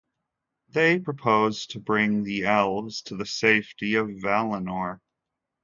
They proposed to bring the Elves to the safety of Valinor.